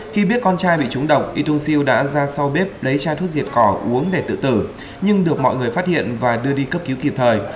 khi biết con trai bị trúng độc youc siêu đã ra sau bếp lấy chai thuốc diệt cỏ uống để tự tử nhưng được mọi người phát hiện và đưa đi cấp cứu kịp thời